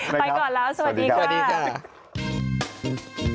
พี่พ่อดำก็มาเจอกันนะพรุ่งนี้